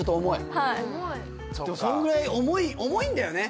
はいそのぐらい重い重いんだよね？